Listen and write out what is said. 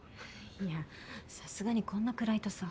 いやさすがにこんな暗いとさ。